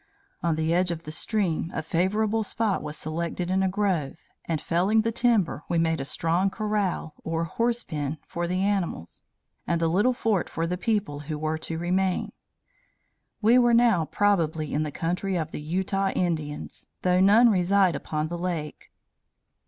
"On the edge of the stream a favorable spot was selected in a grove, and felling the timber, we made a strong corral, or horse pen, for the animals, and a little fort for the people who were to remain. We were now probably in the country of the Utah Indians, though none reside upon the lake.